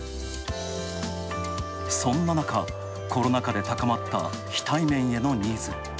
そんな中、コロナ禍で高まった非対面へのニーズ。